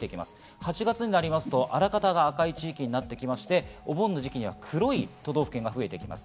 ８月になりますと、あらかた赤い地域になってきまして、お盆の時期には黒い都道府県が増えています。